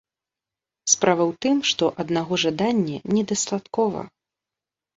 Справа ў тым, што аднаго жадання не дастаткова.